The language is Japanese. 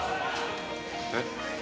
えっ？